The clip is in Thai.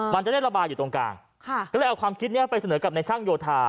มันจะได้ระบายอยู่ตรงกลางค่ะก็เลยเอาความคิดนี้ไปเสนอกับในช่างโยธา